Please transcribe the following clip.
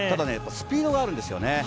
ただスピードがあるんですよ。